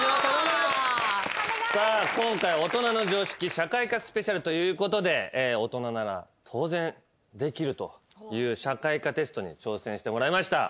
さあ今回大人の常識社会科ＳＰということで大人なら当然できるという社会科テストに挑戦してもらいました。